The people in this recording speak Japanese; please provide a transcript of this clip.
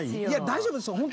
いや大丈夫です。